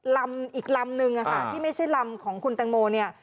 ลำอีกลำนึงที่ไม่ใช่ลำของคุณแตงโมเนี่ย